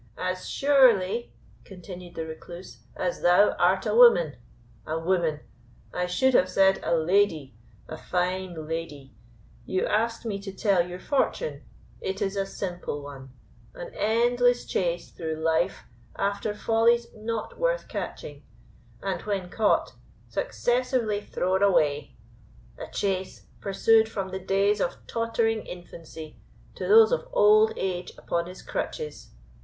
"As surely," continued the Recluse, "as thou art a woman. A woman! I should have said a lady a fine lady. You asked me to tell your fortune it is a simple one; an endless chase through life after follies not worth catching, and, when caught, successively thrown away a chase, pursued from the days of tottering infancy to those of old age upon his crutches.